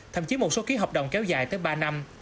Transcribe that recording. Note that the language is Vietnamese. thậm chí một số ký hợp đồng kéo dài tới ba năm